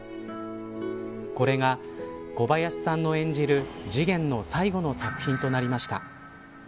これが、小林さんの演じる次元の最後の作品となりました。